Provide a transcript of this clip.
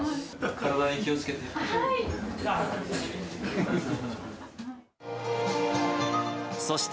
体に気をつけて。